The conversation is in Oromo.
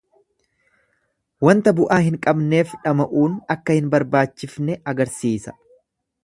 Wanta bu'aa hin qabneef dhama'uun akka hin barbaachifne agarsiisa.